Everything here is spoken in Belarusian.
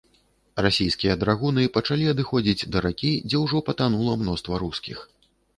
Расійскія драгуны пачалі адыходзіць да ракі, дзе ўжо патанула мноства рускіх.